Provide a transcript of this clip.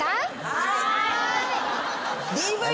はい！